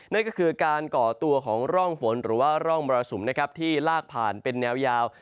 นั่นก็คือการก่อตัวของร่องฝนหรือว่าร่องมรสุมนะครับที่ลากผ่านเป็นแนวยาว